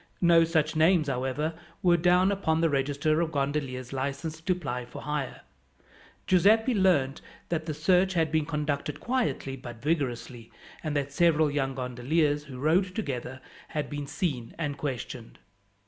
No such names, however, were down upon the register of gondoliers licensed to ply for hire. Giuseppi learned that the search had been conducted quietly but vigorously, and that several young gondoliers who rowed together had been seen and questioned.